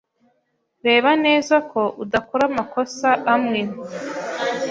Reba neza ko udakora amakosa amwe.